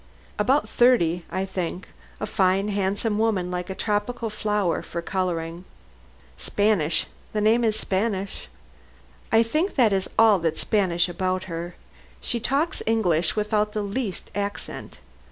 "About thirty, I think; a fine, handsome woman like a tropical flower for coloring." "Spanish. The name is Spanish." "I think that is all the Spanish about her. She talks English without the least accent.